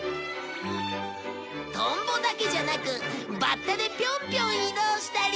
トンボだけじゃなくバッタでピョンピョン移動したり